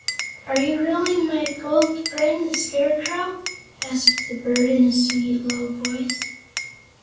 "Are you really my old friend, the Scarecrow?" asked; the bird, in a sweet, low voice.